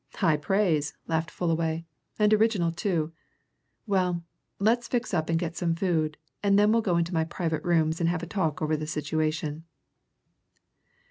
"High praise," laughed Fullaway. "And original too. Well, let's fix up and get some food, and then we'll go into my private rooms and have a talk over the situation."